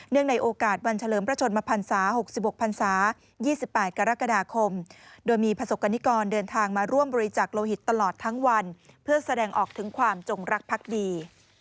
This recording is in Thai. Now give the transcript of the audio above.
ในโอกาสวันเฉลิมพระชนมพันศา๖๖พันศา๒๘กรกฎาคมโดยมีประสบกรณิกรเดินทางมาร่วมบริจักษ์โลหิตตลอดทั้งวันเพื่อแสดงออกถึงความจงรักพักดี